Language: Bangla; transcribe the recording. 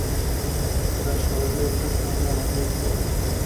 এরা সহজেই একটা ঝামেলা বাধিয়ে দিতে পারে।